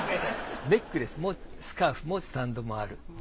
ネックレスもスカーフもスタンドもある。